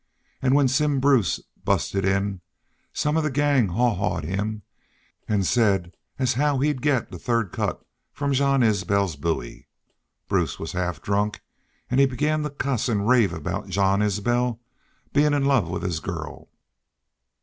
An' when Simm Bruce busted in some of the gang haw hawed him an' said as how he'd get the third cut from Jean Isbel's bowie. Bruce was half drunk an' he began to cuss an' rave about Jean Isbel bein' in love with his girl....